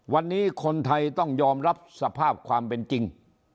วันนี้คนไทยต้องยอมรับสภาพความเป็นจริง